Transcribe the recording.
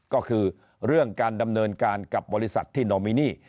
ก็คือเรื่องการดำเนินการกับบริษัทที่โนมินี